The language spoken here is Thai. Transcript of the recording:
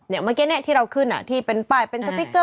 เมื่อกี้ที่เราขึ้นที่เป็นป้ายเป็นสติ๊กเกอร์